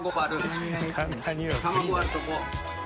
卵割るとこ。